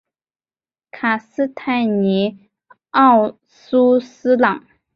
卡斯泰尼奥苏斯朗。